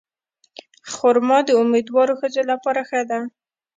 خرما د امیندوارو ښځو لپاره ښه ده.